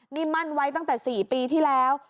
นี่มั่นไว้ตั้งแต่๔ปีที่แล้ว